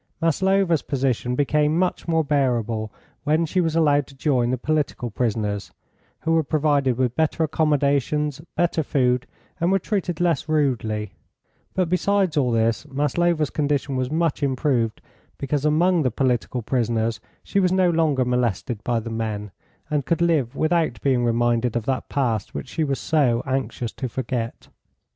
Maslova's position became much more bearable when she was allowed to join the political prisoners, who were provided with better accomodations, better food, and were treated less rudely, but besides all this Maslova's condition was much improved because among the political prisoners she was no longer molested by the men, and could live without being reminded of that past which she was so anxious to forget.